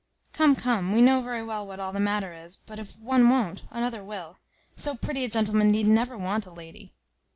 Come, come, we know very well what all the matter is; but if one won't, another will; so pretty a gentleman need never want a lady.